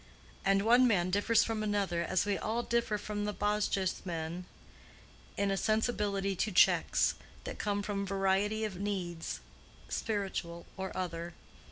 And one man differs from another, as we all differ from the Bosjesman, in a sensibility to checks, that come from variety of needs, spiritual or other.